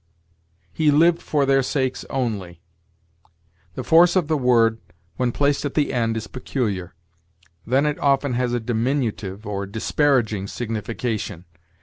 "'He lived for their sakes only.' The force of the word when placed at the end is peculiar. Then it often has a diminutive or disparaging signification.